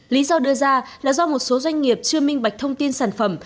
lý do đưa ra là do một số doanh nghiệp chưa minh bạch thông tin sản phẩm